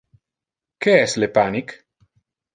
Que es le panic?